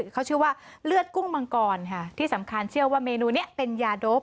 เขาชื่อว่าเลือดกุ้งมังกรค่ะที่สำคัญเชื่อว่าเมนูนี้เป็นยาโดป